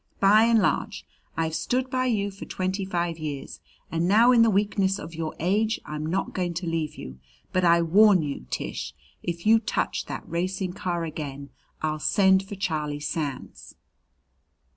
By and large, I've stood by you for twenty five years, and now in the weakness of your age I'm not going to leave you. But I warn you, Tish, if you touch that racing car again, I'll send for Charlie Sands."